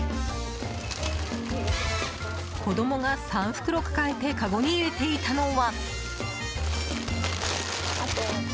子供が３袋抱えてかごに入れていたのは。